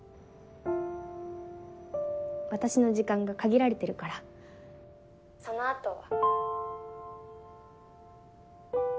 私の時間が限られてるからその後は。